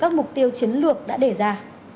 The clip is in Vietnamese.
các mục tiêu chiến lược đã đề ra